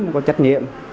nó có trách nhiệm